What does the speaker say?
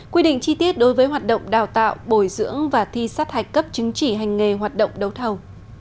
quy định chi tiết đối với hoạt động đào tạo bồi dưỡng và thi sát hạch cấp chứng chỉ hành nghề hoạt động đấu thầu